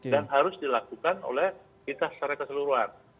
dan harus dilakukan oleh kita secara keseluruhan